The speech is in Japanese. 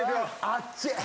あっちい！